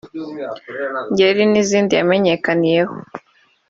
’Ngera’ n’izindi yamenyekaniyeho